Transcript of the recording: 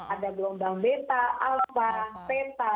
ada gelombang beta alpha theta